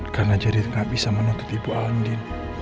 karena jadi tidak bisa menuntut ibu andin